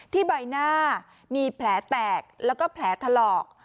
ใบหน้ามีแผลแตกแล้วก็แผลถลอก